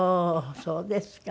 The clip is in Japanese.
そうですか。